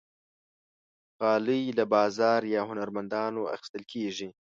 غالۍ له بازار یا هنرمندانو اخیستل کېږي.